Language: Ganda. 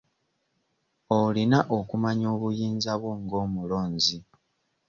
Olina okumanya obuyinza bwo ng'omulonzi.